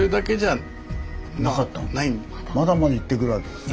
でもまだまだ言ってくるわけですか。